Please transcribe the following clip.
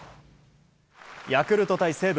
ヤクルト対西武。